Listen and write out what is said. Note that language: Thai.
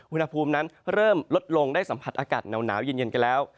อุณหภูมินั้นเริ่มลดลงได้สัมผัสอากาศหนาวเย็นกันแล้ว